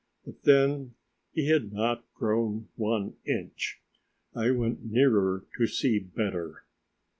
But then he had not grown one inch! I went nearer to see better.